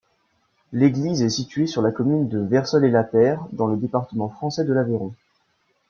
L'église est située sur la commune de Versols-et-Lapeyre, dans le département français de l'Aveyron.